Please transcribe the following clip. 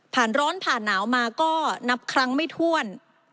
ร้อนผ่านหนาวมาก็นับครั้งไม่ถ้วน